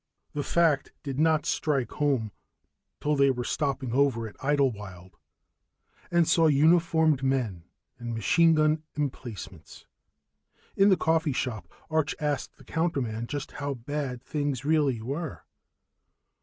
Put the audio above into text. The fact did not strike home till they were stopping over at Idlewild and saw uniformed men and machine gun emplacements. In the coffee shop, Arch asked the counterman just how bad things really were.